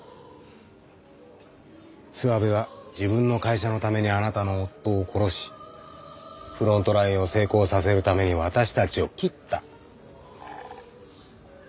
諏訪部は自分の会社のためにあなたの夫を殺しフロントラインを成功させるために私たちを切った。